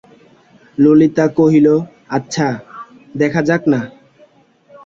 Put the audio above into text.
ললিতা কহিল, আচ্ছা, দেখাই যাক-না।